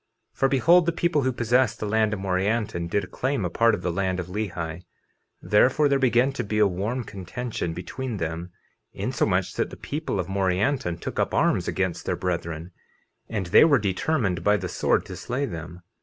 50:26 For behold, the people who possessed the land of Morianton did claim a part of the land of Lehi; therefore there began to be a warm contention between them, insomuch that the people of Morianton took up arms against their brethren, and they were determined by the sword to slay them.